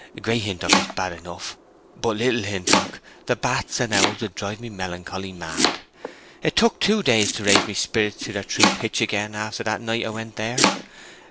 Great Hintock is bad enough—hut Little Hintock—the bats and owls would drive me melancholy mad! It took two days to raise my sperrits to their true pitch again after that night I went there.